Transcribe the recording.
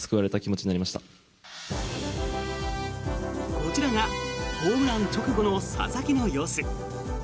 こちらがホームラン直後の佐々木の様子。